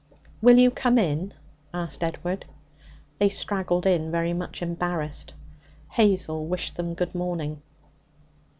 'Will you come in?' asked Edward. They straggled in, very much embarrassed. Hazel wished them good morning.